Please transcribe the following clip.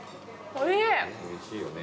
おいしいよね。